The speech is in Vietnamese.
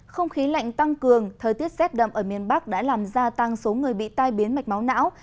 không khí lạnh tăng cường thời tiết rét đậm ở miền bắc đã làm gia tăng số người bị tai biến mạch máu não